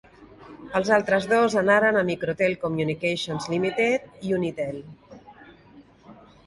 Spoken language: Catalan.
Els altres dos anaren a Microtel Communications Limited i Unitel.